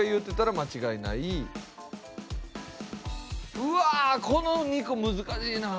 うわこの２個難しいな。